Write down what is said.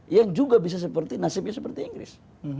yang juga bisa seperti nasibnya seperti inggris